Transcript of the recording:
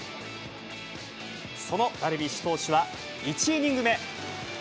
そのダルビッシュ投手は、１イニング目。